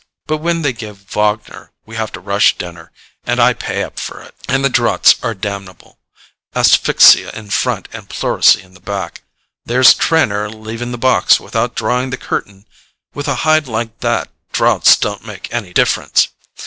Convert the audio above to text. But when they give Wagner we have to rush dinner, and I pay up for it. And the draughts are damnable—asphyxia in front and pleurisy in the back. There's Trenor leaving the box without drawing the curtain! With a hide like that draughts don't make any difference.